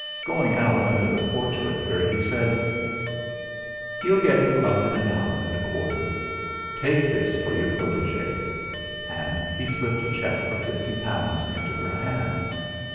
Going out under the porch with her, he said: "He'll get you up in an hour and a quarter. Take this for your protegees," and he slipped a cheque for fifty pounds into her hand.